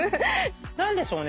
何でしょうね